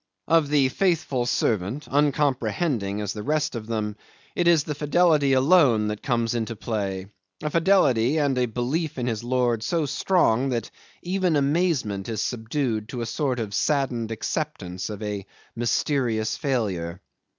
Of the faithful servant, uncomprehending as the rest of them, it is the fidelity alone that comes into play; a fidelity and a belief in his lord so strong that even amazement is subdued to a sort of saddened acceptance of a mysterious failure.